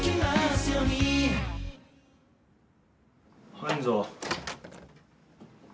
入んぞ。